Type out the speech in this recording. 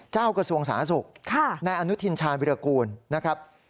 เจ้ากระทรวงสถาสนสกในอนุทินชาญวิรากูลนะครับ